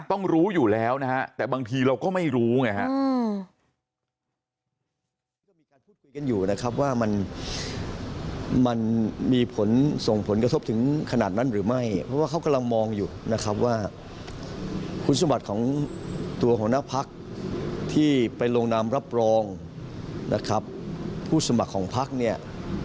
ต้องรู้อยู่แล้วนะฮะแต่บางทีเราก็ไม่รู้ไงฮะ